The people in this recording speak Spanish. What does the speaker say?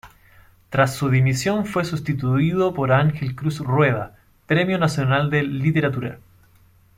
Tras su dimisión fue sustituido por Ángel Cruz Rueda, premio nacional de Literatura.